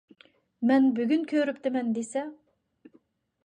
مەن بۈگۈن كۆرۈپتىمەن دېسە.